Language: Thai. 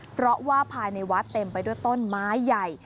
เพราะว่าภายในวัดเต็มไปด้วยต้นไม้ใหญ่